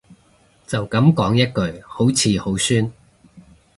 就噉講一句好似好酸